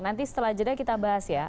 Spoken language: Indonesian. nanti setelah jeda kita bahas ya